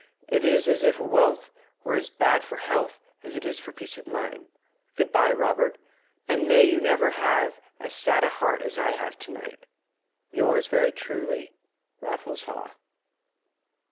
It is as if wealth were as bad for health as it is for peace of mind. Good bye, Robert, and may you never have as sad a heart as I have to night. Yours very truly, RAFFLES HAW."